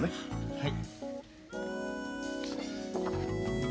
はい。